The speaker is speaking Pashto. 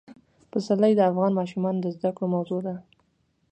پسرلی د افغان ماشومانو د زده کړې موضوع ده.